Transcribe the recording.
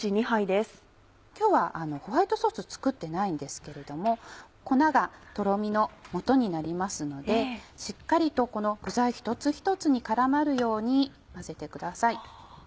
今日はホワイトソースを作ってないんですけれども粉がとろみのもとになりますのでしっかりとこの具材一つ一つに絡まるように混ぜてください。